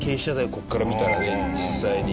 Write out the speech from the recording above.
ここから見たらね実際に。